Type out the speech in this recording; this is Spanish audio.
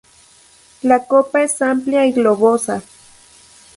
La copa es amplia y globosa.